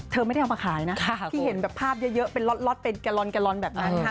ไม่ได้เอามาขายนะที่เห็นแบบภาพเยอะเป็นล็อตเป็นแกลลอนแกลลอนแบบนั้นค่ะ